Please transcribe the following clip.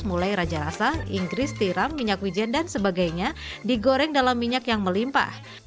mulai raja rasa inggris tiram minyak wijen dan sebagainya digoreng dalam minyak yang melimpah